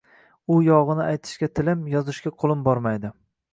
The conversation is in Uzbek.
U yog`ini aytishga tilim, yozishga qo`lim bormaydi